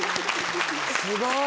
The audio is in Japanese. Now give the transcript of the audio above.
すごい！